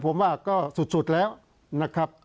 ผมว่าก็สุดแล้วนะครับ